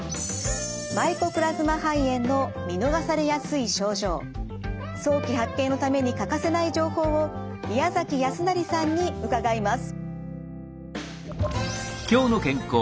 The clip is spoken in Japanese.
マイコプラズマ肺炎の見逃されやすい症状早期発見のために欠かせない情報を宮崎泰成さんに伺います。